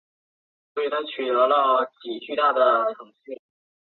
好员警也会保护受审者不受坏员警的侵犯。